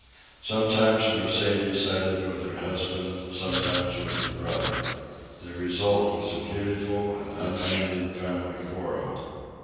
Sometimes Mercedes sided with her husband, sometimes with her brother. The result was a beautiful and unending family quarrel.